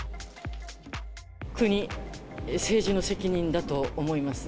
国、政治の責任だと思います。